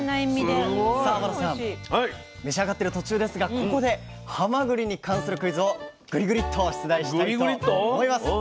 すごい。さあ天野さん召し上がってる途中ですがここではまぐりに関するクイズをグリグリッと出題したいと思います。